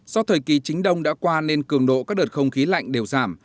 do thời kỳ chính đông đã qua nên cường độ các đợt không khí lạnh đều giảm